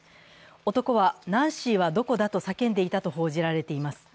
男は、ナンシーはどこだと叫んでいたと報じられています。